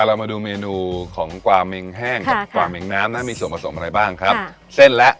เรามาดูเมนูของกวาเมงแห้งกับกวาเมงน้ำนะมีส่วนผสมอะไรบ้างครับเส้นแล้ว